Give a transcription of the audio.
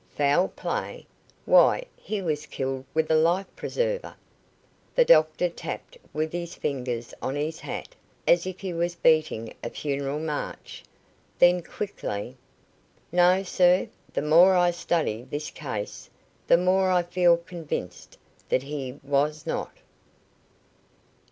"Foul play? Why, he was killed with a life preserver." The doctor tapped with his fingers on his hat, as if he was beating a funeral march. Then, quickly: "No, sir; the more I study this case, the more I feel convinced that he was not."